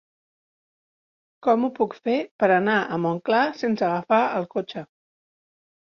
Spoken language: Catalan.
Com ho puc fer per anar a Montclar sense agafar el cotxe?